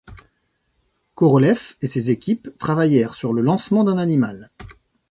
Korolev et ses équipes travaillèrent sur le lancement d'un animal.